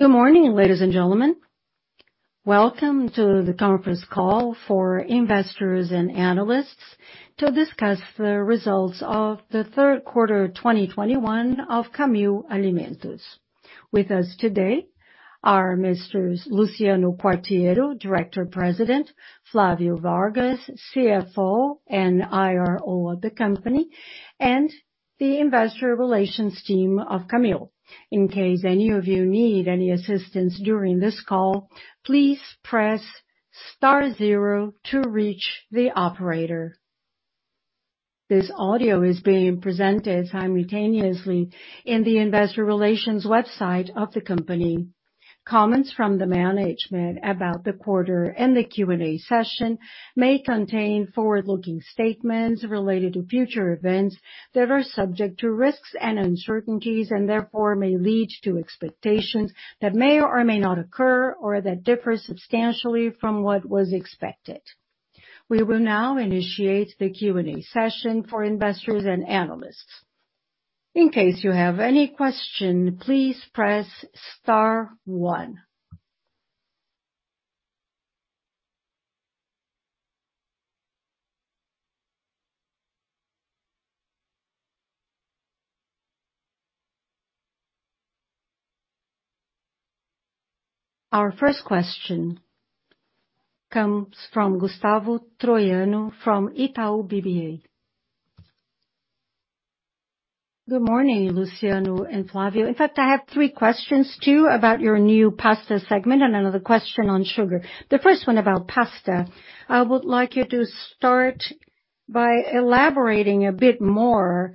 Good morning, ladies and gentlemen. Welcome to the conference call for investors and analysts to discuss the results of the third quarter 2021 of Camil Alimentos. With us today are Misters. Luciano Quartiero, Director President, Flavio Vargas, CFO and IRO of the company, and the investor relations team of Camil. In case any of you need any assistance during this call, please press star zero to reach the operator. This audio is being presented simultaneously in the investor relations website of the company. Comments from the management about the quarter and the Q&A session may contain forward-looking statements related to future events that are subject to risks and uncertainties, and therefore may lead to expectations that may or may not occur or that differ substantially from what was expected. We will now initiate the Q&A session for investors and analysts. In case you have any question, please press star one. Our first question comes from Gustavo Troyano from Itaú BBA. Good morning, Luciano and Flavio. In fact, I have three questions to you about your new pasta segment, and another question on sugar. The first one about pasta. I would like you to start by elaborating a bit more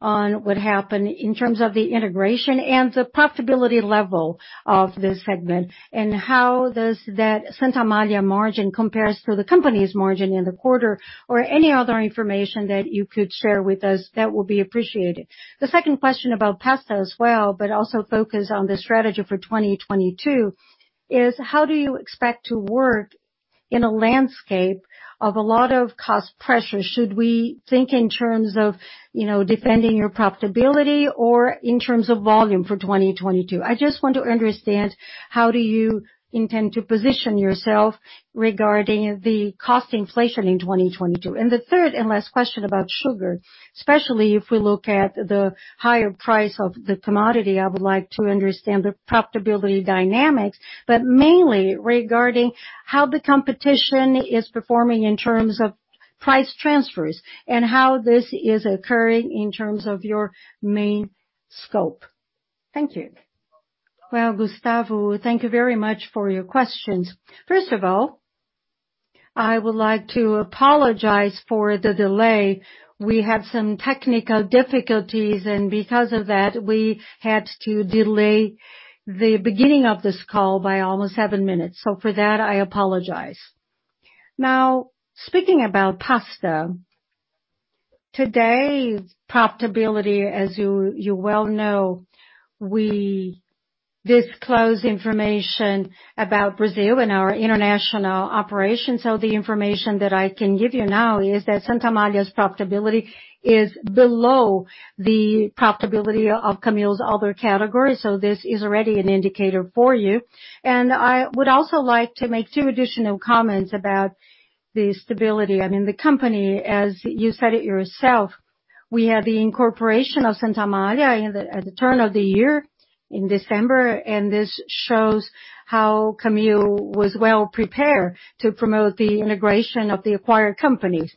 on what happened in terms of the integration and the profitability level of this segment. How does that Santa Amália margin compares to the company's margin in the quarter or any other information that you could share with us, that will be appreciated. The second question about pasta as well, but also focus on the strategy for 2022 is: How do you expect to work in a landscape of a lot of cost pressure? Should we think in terms of, you know, defending your profitability or in terms of volume for 2022? I just want to understand, how do you intend to position yourself regarding the cost inflation in 2022. The third and last question about sugar, especially if we look at the higher price of the commodity, I would like to understand the profitability dynamics, but mainly regarding how the competition is performing in terms of price transfers, and how this is occurring in terms of your main scope. Thank you. Well, Gustavo, thank you very much for your questions. First of all, I would like to apologize for the delay. We had some technical difficulties, and because of that, we had to delay the beginning of this call by almost seven minutes. For that, I apologize. Now, speaking about pasta. Today, profitability, as you well know, we disclose information about Brazil and our international operations. The information that I can give you now is that Santa Amália's profitability is below the profitability of Camil's other categories, so this is already an indicator for you. I would also like to make two additional comments about the stability. I mean, the company, as you said it yourself, we had the incorporation of Santa Amália at the turn of the year in December, and this shows how Camil was well-prepared to promote the integration of the acquired companies.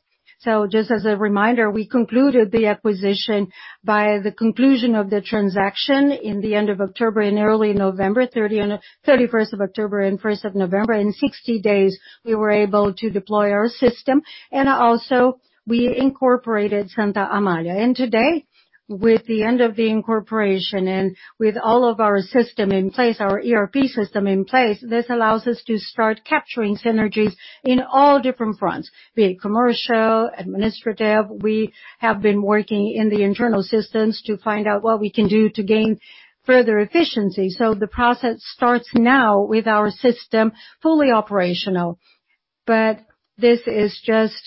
Just as a reminder, we concluded the acquisition by the conclusion of the transaction in the end of October and early November, 31st of October and 1st of November. In 60 days, we were able to deploy our system and also we incorporated Santa Amália. Today, with the end of the incorporation and with all of our system in place, our ERP system in place, this allows us to start capturing synergies in all different fronts, be it commercial, administrative. We have been working in the internal systems to find out what we can do to gain further efficiency. The process starts now with our system fully operational. This is just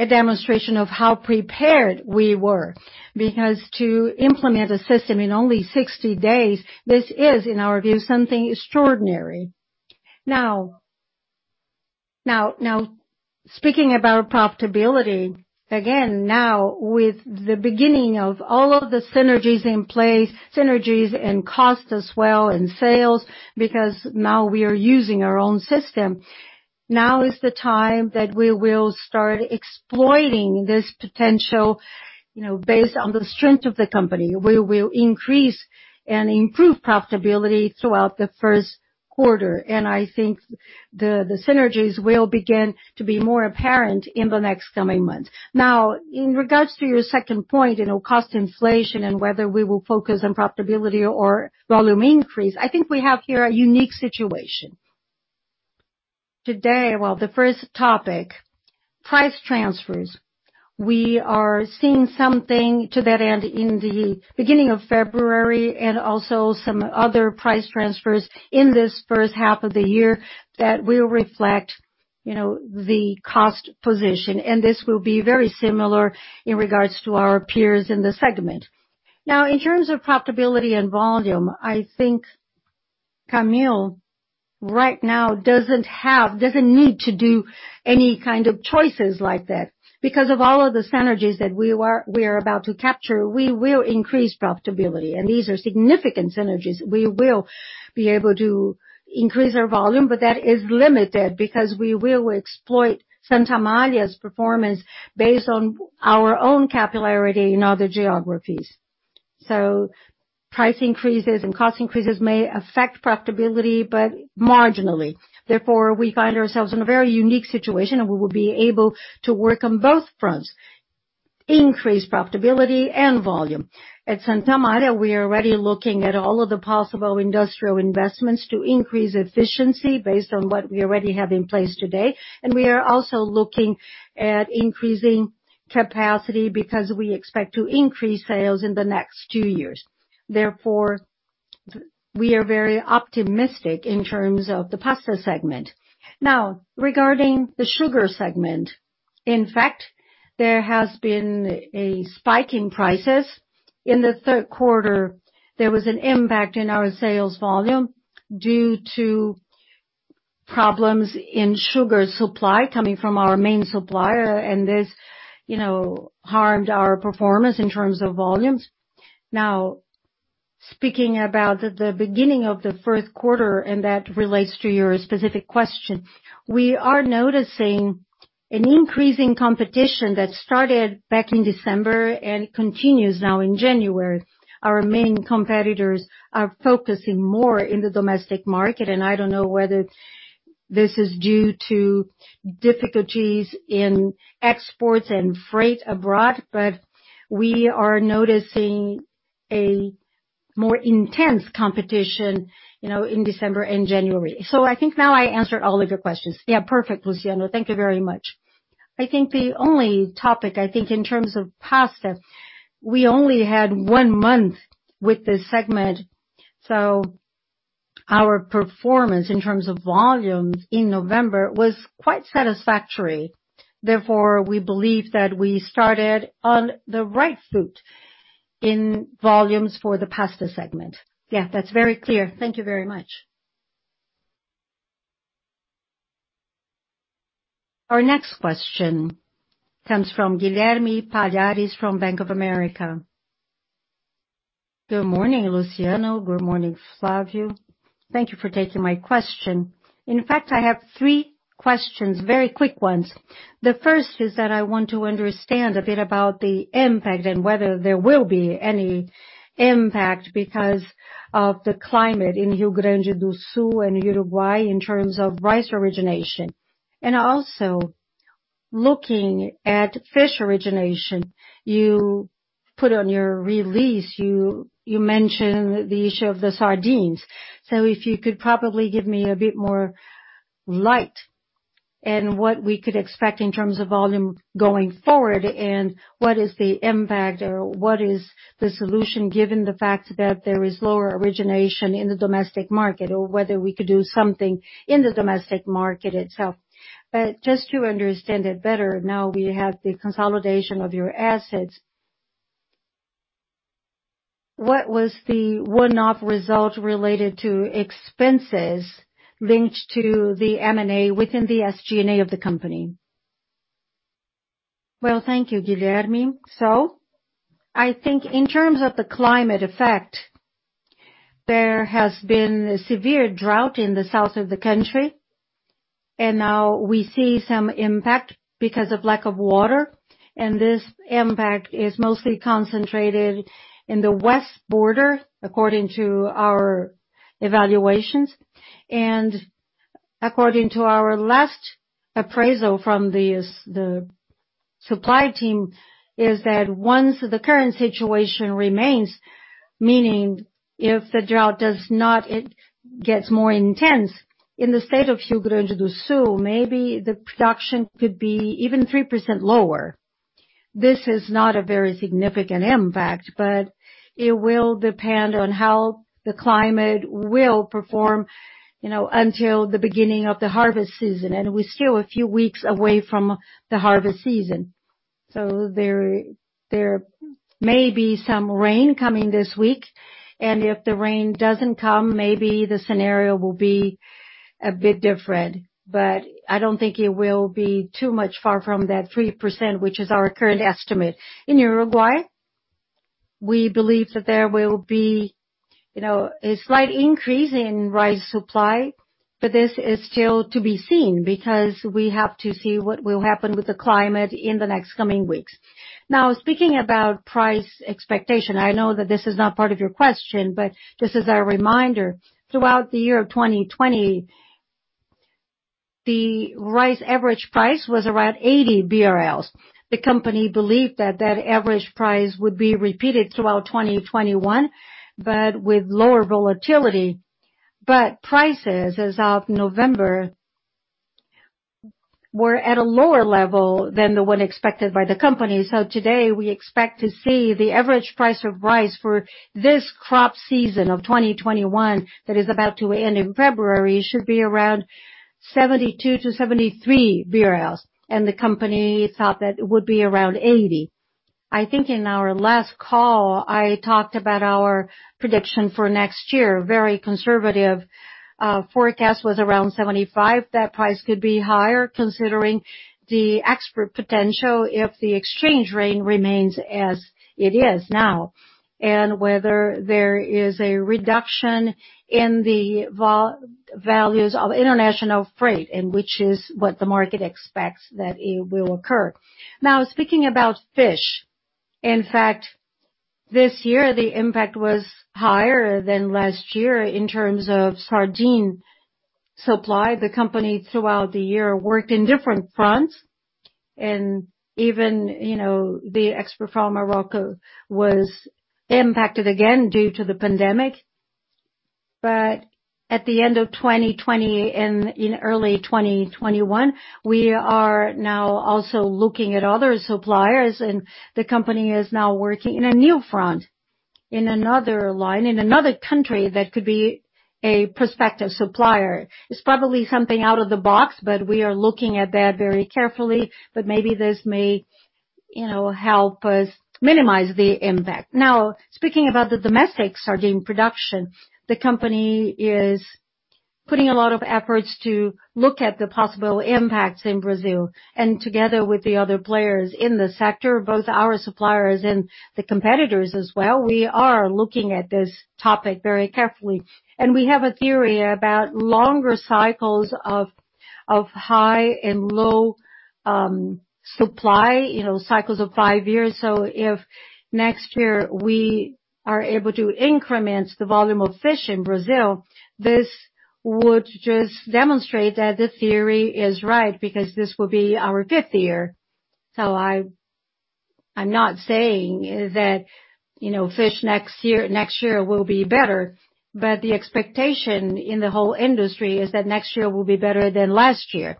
a demonstration of how prepared we were, because to implement a system in only 60 days, this is, in our view, something extraordinary. Now speaking about profitability, again, now with the beginning of all of the synergies in place, synergies and cost as well, and sales, because now we are using our own system, now is the time that we will start exploiting this potential, you know, based on the strength of the company. We will increase and improve profitability throughout the first quarter, and I think the synergies will begin to be more apparent in the next coming months. Now, in regards to your second point, you know, cost inflation and whether we will focus on profitability or volume increase, I think we have here a unique situation. Well, the first topic, price transfers. We are seeing something to that end, in the beginning of February and also some other price transfers in this first half of the year that will reflect. You know, the cost position, and this will be very similar in regards to our peers in the segment. Now, in terms of profitability and volume, I think Camil right now doesn't need to do any kind of choices like that. Because of all of the synergies that we are about to capture, we will increase profitability. These are significant synergies. We will be able to increase our volume, but that is limited because we will exploit Santa Amália's performance based on our own capillarity in other geographies. Price increases and cost increases may affect profitability, but marginally. Therefore, we find ourselves in a very unique situation, and we will be able to work on both fronts, increase profitability and volume. At Santa Amália, we are already looking at all of the possible industrial investments to increase efficiency based on what we already have in place today. We are also looking at increasing capacity because we expect to increase sales in the next two years. Therefore, we are very optimistic in terms of the pasta segment. Now, regarding the sugar segment, in fact, there has been a spike in prices. In the third quarter, there was an impact in our sales volume due to problems in sugar supply coming from our main supplier, and this, you know, harmed our performance in terms of volumes. Now, speaking about the beginning of the first quarter, and that relates to your specific question, we are noticing an increasing competition that started back in December and continues now in January. Our main competitors are focusing more in the domestic market, and I don't know whether this is due to difficulties in exports and freight abroad. But we are noticing a more intense competition, you know, in December and January. I think now I answered all of your questions. Yeah. Perfect, Luciano. Thank you very much. I think the only topic, I think, in terms of pasta, we only had one month with this segment, so our performance in terms of volumes in November was quite satisfactory. Therefore, we believe that we started on the right foot in volumes for the pasta segment. Yeah. That's very clear. Thank you very much. Our next question comes from Guilherme Palhares from Santander. Good morning, Luciano. Good morning, Flavio. Thank you for taking my question. In fact, I have three questions, very quick ones. The first is that I want to understand a bit about the impact and whether there will be any impact because of the climate in Rio Grande do Sul and Uruguay in terms of rice origination. Also looking at fish origination, you put on your release, you mentioned the issue of the sardines. If you could probably give me a bit more light in what we could expect in terms of volume going forward and what is the impact or what is the solution, given the fact that there is lower origination in the domestic market or whether we could do something in the domestic market itself. Just to understand it better, now we have the consolidation of your assets. What was the one-off result related to expenses linked to the M&A within the SG&A of the company? Well, thank you, Guilherme. I think in terms of the climate effect, there has been a severe drought in the south of the country, and now we see some impact because of lack of water, and this impact is mostly concentrated in the west border, according to our evaluations. According to our last appraisal from the supply team is that once the current situation remains, meaning if the drought it gets more intense, in the state of Rio Grande do Sul, maybe the production could be even 3% lower. This is not a very significant impact, but it will depend on how the climate will perform, you know, until the beginning of the harvest season. We're still a few weeks away from the harvest season. There may be some rain coming this week, and if the rain doesn't come, maybe the scenario will be a bit different. I don't think it will be too much far from that 3%, which is our current estimate. In Uruguay, we believe that there will be, you know, a slight increase in rice supply, but this is still to be seen because we have to see what will happen with the climate in the next coming weeks. Now, speaking about price expectation, I know that this is not part of your question, but this is our reminder. Throughout the year of 2020, the rice average price was around 80 BRL. The company believed that that average price would be repeated throughout 2021, but with lower volatility. Prices as of November were at a lower level than the one expected by the company. Today, we expect to see the average price of rice for this crop season of 2021 that is about to end in February. It should be around 72-73 BRL, and the company thought that it would be around 80 BRL. I think in our last call, I talked about our prediction for next year. Very conservative forecast was around 75 BRL. That price could be higher considering the export potential if the exchange rate remains as it is now, and whether there is a reduction in the values of international freight, and which is what the market expects that it will occur. Now, speaking about fish. In fact, this year, the impact was higher than last year in terms of sardine supply. The company, throughout the year, worked in different fronts. Even, you know, the export from Morocco was impacted again due to the pandemic. At the end of 2020 and in early 2021, we are now also looking at other suppliers, and the company is now working in a new front, in another line, in another country that could be a prospective supplier. It's probably something out of the box, but we are looking at that very carefully. Maybe this may, you know, help us minimize the impact. Now, speaking about the domestic sardine production, the company is putting a lot of efforts to look at the possible impacts in Brazil. Together with the other players in the sector, both our suppliers and the competitors as well, we are looking at this topic very carefully. We have a theory about longer cycles of high and low supply, you know, cycles of five years. If next year we are able to increment the volume of fish in Brazil, this would just demonstrate that the theory is right because this will be our fifth year. I'm not saying that, you know, fish next year will be better, but the expectation in the whole industry is that next year will be better than last year.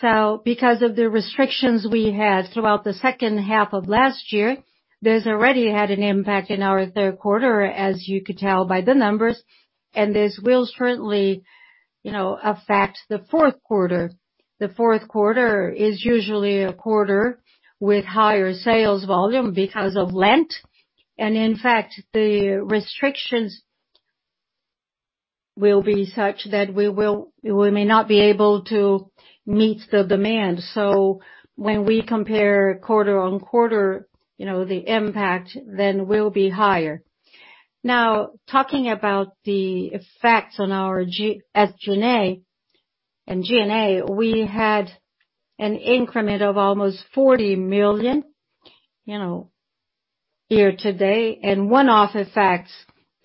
Because of the restrictions we had throughout the second half of last year, this already had an impact in our third quarter, as you could tell by the numbers, and this will certainly, you know, affect the fourth quarter. The fourth quarter is usually a quarter with higher sales volume because of Lent. In fact, the restrictions will be such that we may not be able to meet the demand. When we compare quarter-on-quarter, you know, the impact then will be higher. Now, talking about the effects on our SG&A and G&A, we had an increment of almost 40 million, you know, year-to-date. One-off effects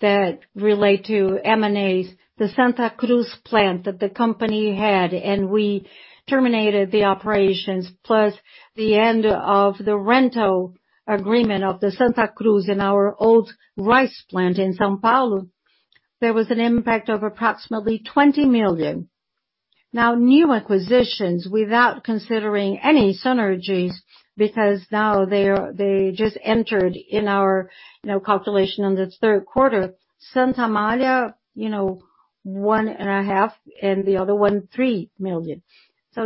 that relate to M&As, the Santa Cruz plant that the company had, and we terminated the operations, plus the end of the rental agreement of the Santa Cruz in our old rice plant in São Paulo. There was an impact of approximately 20 million. Now, new acquisitions, without considering any synergies, because now they just entered in our, you know, calculation on the third quarter. Santa Amália, you know, 1.5, and the other one, three million.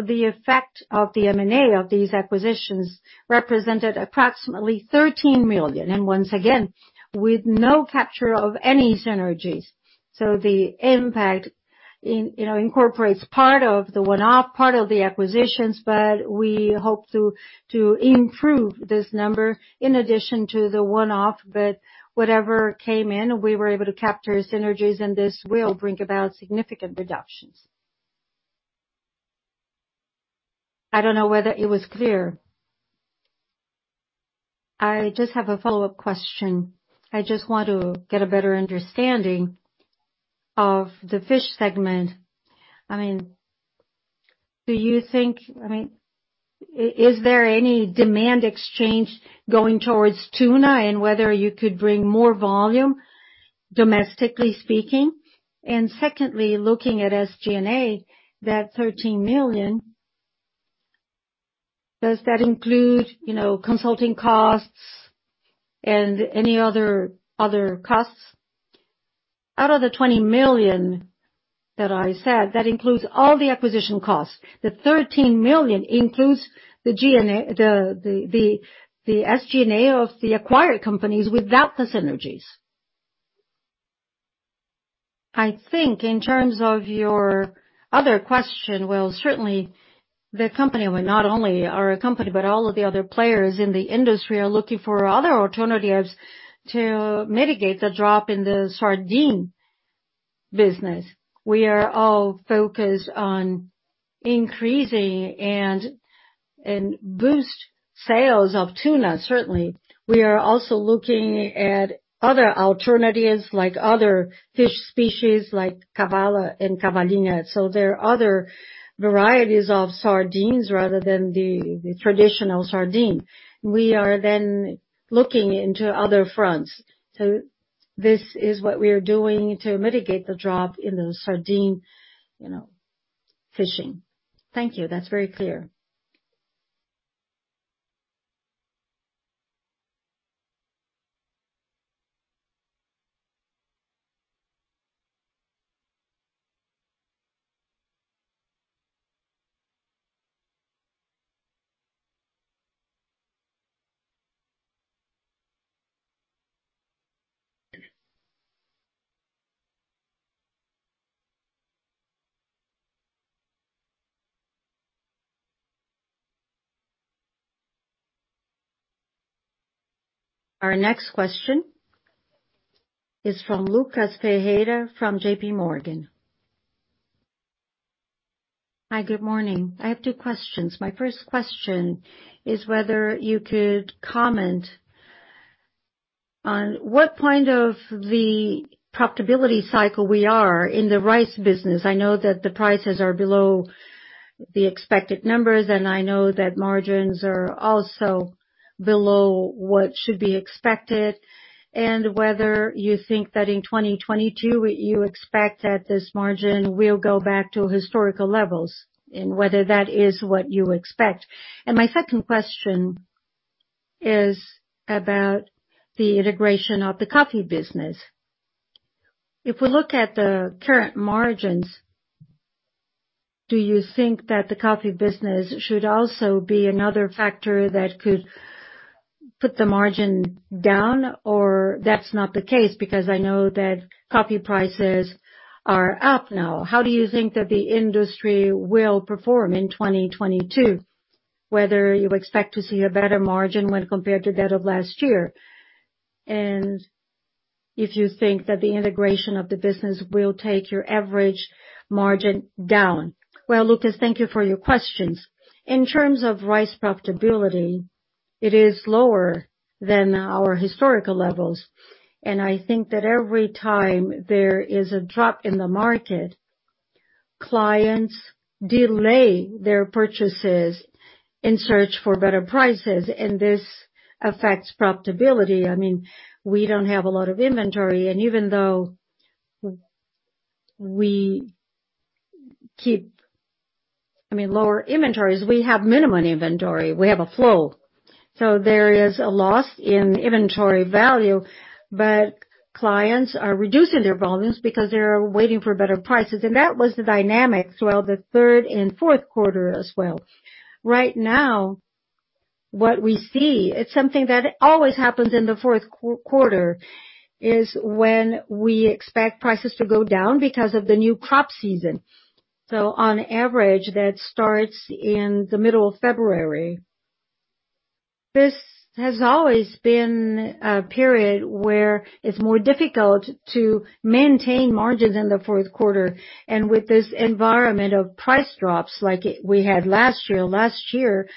The effect of the M&A of these acquisitions represented approximately 13 million. Once again, with no capture of any synergies. The impact, you know, incorporates part of the one-off, part of the acquisitions, we hope to improve this number in addition to the one-off. Whatever came in, we were able to capture synergies, and this will bring about significant reductions. I don't know whether it was clear. I just have a follow-up question. I just want to get a better understanding of the fish segment. I mean, do you think, I mean, is there any demand exchange going towards tuna and whether you could bring more volume domestically speaking? Secondly, looking at SG&A, that 13 million, does that include, you know, consulting costs and any other costs? Out of the 20 million that I said, that includes all the acquisition costs. The 13 million includes the G&A, the SG&A of the acquired companies without the synergies. I think in terms of your other question, well, certainly the company, well, not only our company, but all of the other players in the industry are looking for other alternatives to mitigate the drop in the sardine business. We are all focused on increasing and boost sales of tuna, certainly. We are also looking at other alternatives like other fish species like cavala and cavalinha. There are other varieties of sardines rather than the traditional sardine. We are then looking into other fronts. This is what we are doing to mitigate the drop in the sardine, you know, fishing. Thank you. That's very clear. Our next question is from Lucas Ferreira from J.P. Morgan. Hi, good morning. I have two questions. My first question is whether you could comment on what point of the profitability cycle we are in the rice business. I know that the prices are below the expected numbers, and I know that margins are also below what should be expected, and whether you think that in 2022, you expect that this margin will go back to historical levels and whether that is what you expect. My second question is about the integration of the coffee business. If we look at the current margins, do you think that the coffee business should also be another factor that could put the margin down or that's not the case because I know that coffee prices are up now. How do you think that the industry will perform in 2022, whether you expect to see a better margin when compared to that of last year, and if you think that the integration of the business will take your average margin down? Well, Lucas, thank you for your questions. In terms of rice profitability, it is lower than our historical levels. I think that every time there is a drop in the market, clients delay their purchases in search for better prices, and this affects profitability. I mean, we don't have a lot of inventory. Even though we keep lower inventories, I mean, we have minimum inventory, we have a flow. There is a loss in inventory value, but clients are reducing their volumes because they're waiting for better prices. That was the dynamic throughout the third and fourth quarter as well. Right now, what we see, it's something that always happens in the fourth quarter, is when we expect prices to go down because of the new crop season. On average, that starts in the middle of February. This has always been a period where it's more difficult to maintain margins in the fourth quarter. With this environment of price drops like we had last year,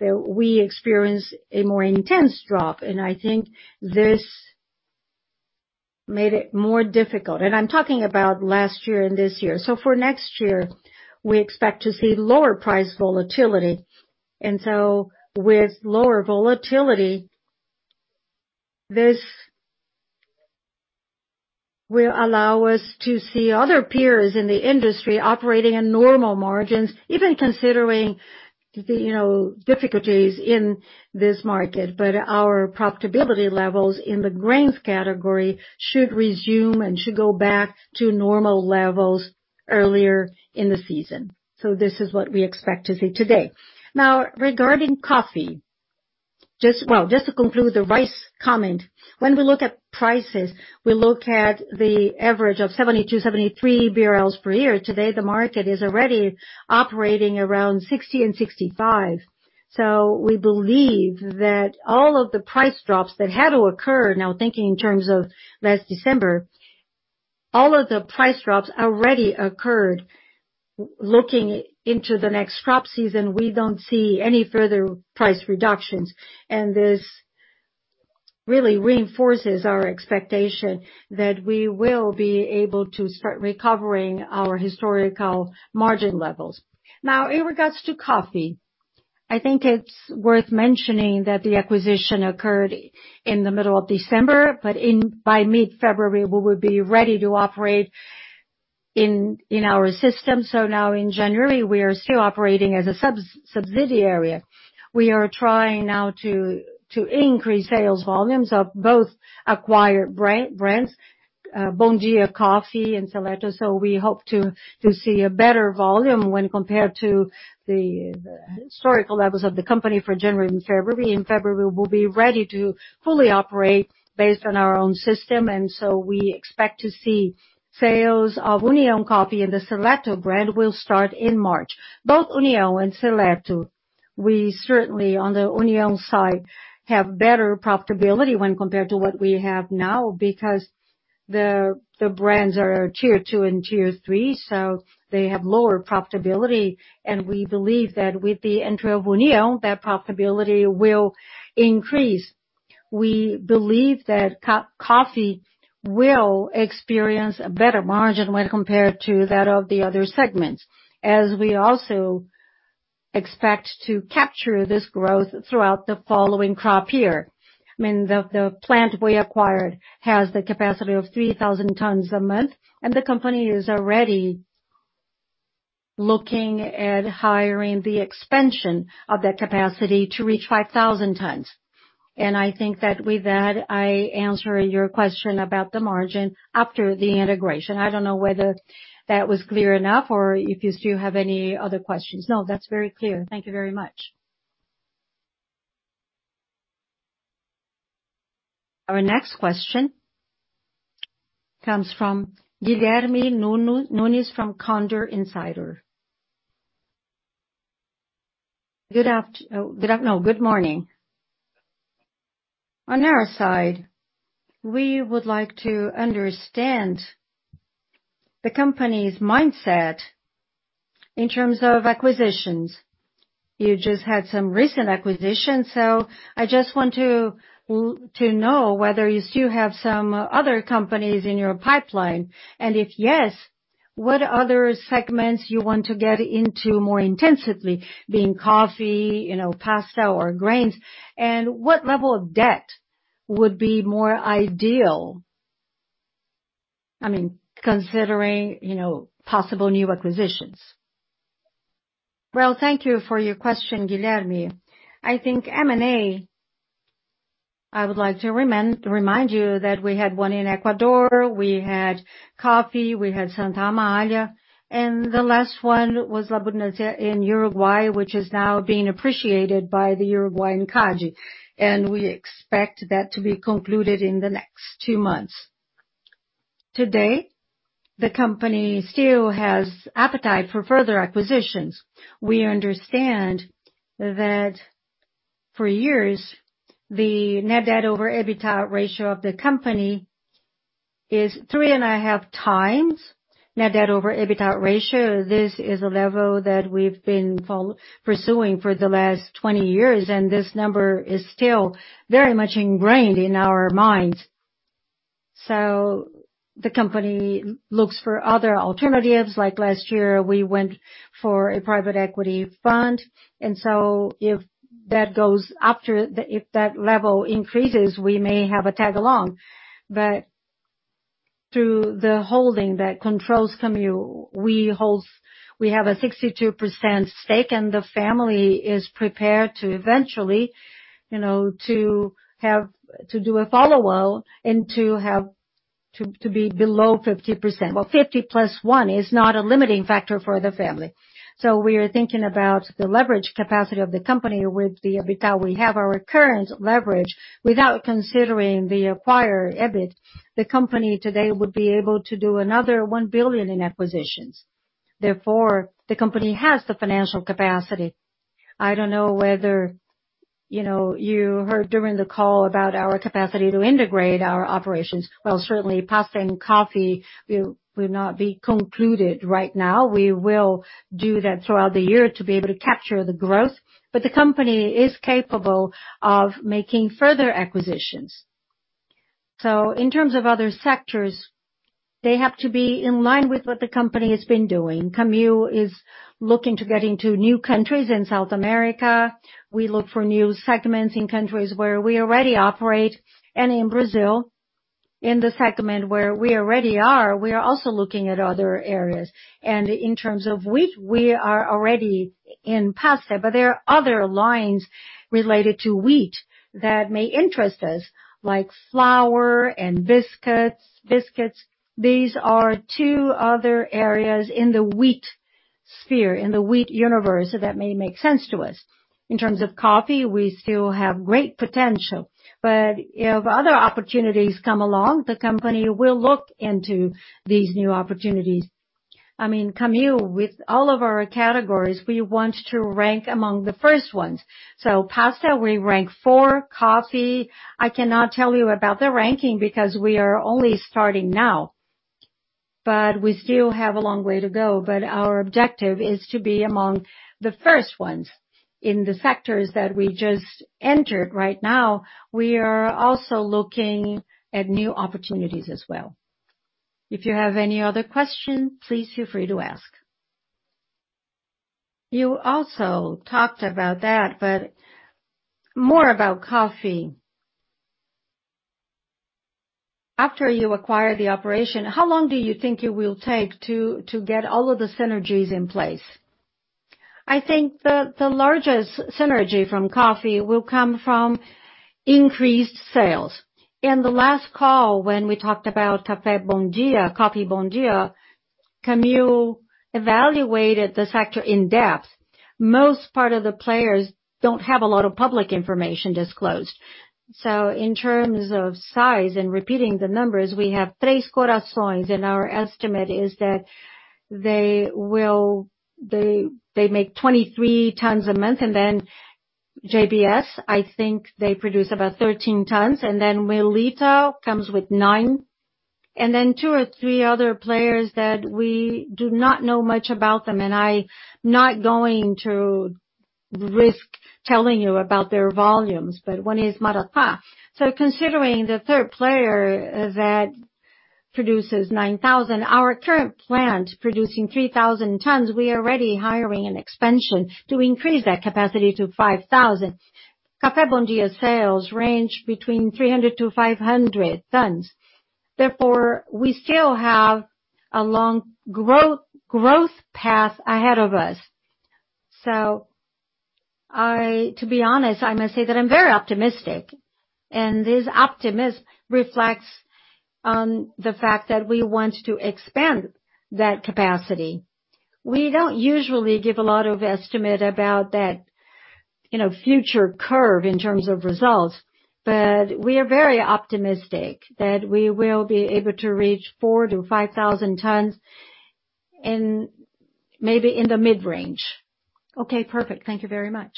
we experienced a more intense drop, and I think this made it more difficult. I'm talking about last year and this year. For next year, we expect to see lower price volatility. With lower volatility, this will allow us to see other peers in the industry operating in normal margins, even considering the, you know, difficulties in this market. Our profitability levels in the grains category should resume and should go back to normal levels earlier in the season. This is what we expect to see today. Now, regarding coffee, well, just to conclude the rice comment, when we look at prices, we look at the average of 72-73 BRL per year. Today, the market is already operating around 60-65. We believe that all of the price drops that had to occur, now thinking in terms of last December, all of the price drops already occurred. Looking into the next crop season, we don't see any further price reductions, and this really reinforces our expectation that we will be able to start recovering our historical margin levels. Now, in regards to coffee, I think it's worth mentioning that the acquisition occurred in the middle of December, but by mid-February, we will be ready to operate in our system. Now in January, we are still operating as a subsidiary. We are trying now to increase sales volumes of both acquired brands, Café Bom Dia and Seleto. We hope to see a better volume when compared to the historical levels of the company for January and February. In February, we'll be ready to fully operate based on our own system. We expect to see sales of Coffee União and the Seleto brand will start in March. Both União and Seleto, we certainly, on the União side, have better profitability when compared to what we have now because the brands are Tier 2 and Tier 3, so they have lower profitability. We believe that with the entry of União, that profitability will increase. We believe that coffee will experience a better margin when compared to that of the other segments, as we also expect to capture this growth throughout the following crop year. I mean, the plant we acquired has the capacity of 3,000 tons a month, and the company is already looking at hiring the expansion of that capacity to reach 5,000 tons. I think that with that, I answer your question about the margin after the integration. I don't know whether that was clear enough or if you still have any other questions. No, that's very clear. Thank you very much. Our next question comes from Guilherme Nunes from Condor Insider. Good morning. On our side, we would like to understand the company's mindset in terms of acquisitions. You just had some recent acquisitions, so I just want to know whether you still have some other companies in your pipeline. If yes, what other segments you want to get into more intensively, being coffee, you know, pasta or grains? What level of debt would be more ideal? I mean, considering, you know, possible new acquisitions. Well, thank you for your question, Guilherme. I think M&A. I would like to remind you that we had one in Ecuador, we had coffee, we had Santa Amália, and the last one was La Abundancia in Uruguay, which is now being appreciated by the Uruguayan CPDC. We expect that to be concluded in the next two months. Today, the company still has appetite for further acquisitions. We understand that for years, the net debt over EBITDA ratio of the company is 3.5x. This is a level that we've been pursuing for the last 20 years, and this number is still very much ingrained in our minds. The company looks for other alternatives. Like last year, we went for a private equity fund. If that level increases, we may have a tag-along. Through the holding that controls Camil, we have a 62% stake, and the family is prepared to eventually, you know, to do a follow-on and to be below 50%. Well, 50+1 is not a limiting factor for the family. We are thinking about the leverage capacity of the company with the EBITDA. We have our current leverage without considering the acquired EBIT. The company today would be able to do another 1 billion in acquisitions. Therefore, the company has the financial capacity. I don't know whether, you know, you heard during the call about our capacity to integrate our operations. Well, certainly pasta and coffee will not be concluded right now. We will do that throughout the year to be able to capture the growth. The company is capable of making further acquisitions. In terms of other sectors, they have to be in line with what the company has been doing. Camil is looking to get into new countries in South America. We look for new segments in countries where we already operate. In Brazil, in the segment where we already are, we are also looking at other areas. In terms of wheat, we are already in pasta, but there are other lines related to wheat that may interest us, like flour and biscuits. These are two other areas in the wheat sphere, in the wheat universe that may make sense to us. In terms of coffee, we still have great potential. If other opportunities come along, the company will look into these new opportunities. I mean, Camil, with all of our categories, we want to rank among the first ones. Pasta, we rank four. Coffee, I cannot tell you about the ranking because we are only starting now. We still have a long way to go. Our objective is to be among the first ones in the sectors that we just entered right now. We are also looking at new opportunities as well. If you have any other question, please feel free to ask. You also talked about that, but more about coffee. After you acquire the operation, how long do you think you will take to get all of the synergies in place? I think the largest synergy from coffee will come from increased sales. In the last call, when we talked about Café Bom Dia, Coffee Bom Dia, Camil evaluated the sector in depth. Most part of the players don't have a lot of public information disclosed. In terms of size and repeating the numbers, we have Três Corações, and our estimate is that they make 23 tons a month. JDE, I think they produce about 13 tons. Melitta comes with nine. Two or three other players that we do not know much about them, and I'm not going to risk telling you about their volumes, but one is Maratá. Considering the third player that produces 9,000, our current plant producing 3,000 tons, we are already hiring an expansion to increase that capacity to 5,000. Café Bom Dia sales range between 300-500 tons. Therefore, we still have a long growth path ahead of us. To be honest, I must say that I'm very optimistic. This optimism reflects on the fact that we want to expand that capacity. We don't usually give a lot of estimate about that, you know, future curve in terms of results, but we are very optimistic that we will be able to reach 4,000-5,000 tons in maybe in the mid-range. Okay, perfect. Thank you very much.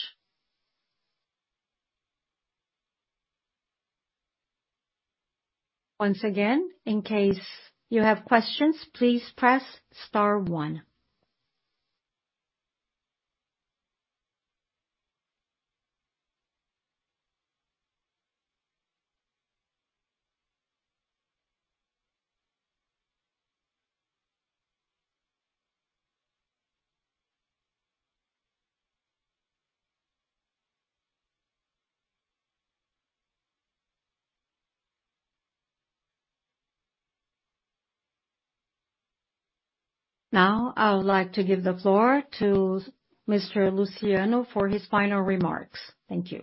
Now, I would like to give the floor to Mr. Luciano for his final remarks. Thank you.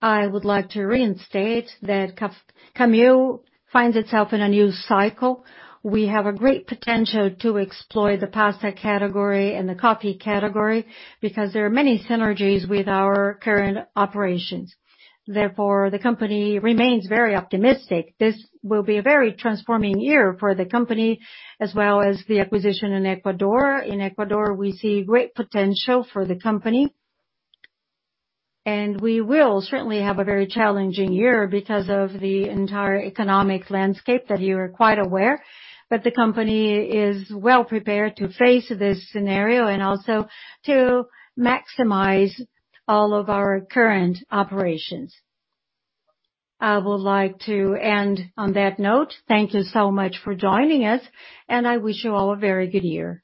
I would like to reinstate that Camil finds itself in a new cycle. We have a great potential to explore the pasta category and the coffee category because there are many synergies with our current operations. Therefore, the company remains very optimistic. This will be a very transforming year for the company as well as the acquisition in Ecuador. In Ecuador, we see great potential for the company. We will certainly have a very challenging year because of the entire economic landscape that you are quite aware. The company is well-prepared to face this scenario and also to maximize all of our current operations. I would like to end on that note. Thank you so much for joining us, and I wish you all a very good year.